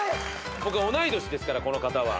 僕同い年ですからこの方は。